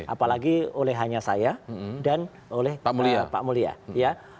apalagi oleh hanya saya dan oleh pak mulia ya